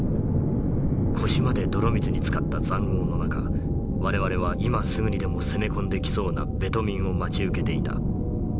腰まで泥水につかった塹壕の中我々は今すぐにでも攻め込んできそうなベトミンを待ち受けていた。